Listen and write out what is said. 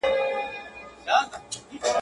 په څو چنده له قېمته د ټوكرانو.